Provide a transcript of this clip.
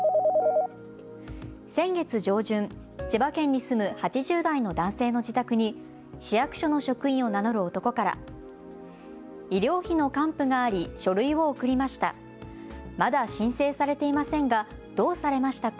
先月上旬、千葉県に住む８０代の男性の自宅に市役所の職員を名乗る男から医療費の還付があり書類を送りました。